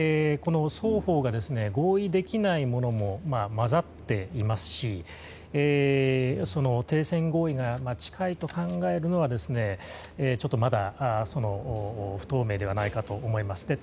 双方が、合意できないものも交ざっていますし停戦合意が近いと考えるのはちょっとまだ不透明ではないかと思います。